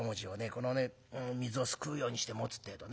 この水をすくうようにして持つってえとね